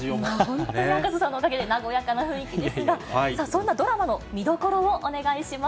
本当に赤楚さんのおかげで和やかな雰囲気ですが、そんなドラマの見どころをお願いします。